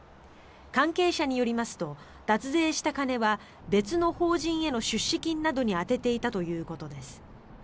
関係者によりますと脱税した金は別の法人への出資金などに充てていたということです。